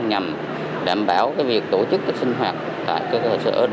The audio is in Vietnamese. nhằm đảm bảo việc tổ chức sinh hoạt tại các cơ sở được đảm bảo và an toàn